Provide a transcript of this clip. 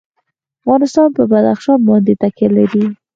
افغانستان په بدخشان باندې تکیه لري.